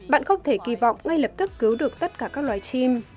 bạn không thể kỳ vọng ngay lập tức cứu được tất cả các loài chim